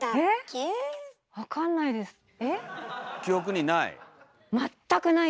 記憶にない？